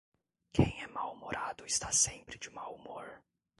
Quem é mal-humorado está sempre de mau humor!